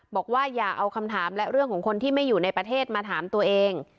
บอกว่าอย่าเอาคำถามและเรื่องของคนที่ไม่อยู่ในประเทศมาถามตัวเอง